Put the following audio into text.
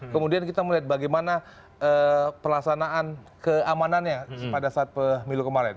kemudian kita melihat bagaimana pelaksanaan keamanannya pada saat pemilu kemarin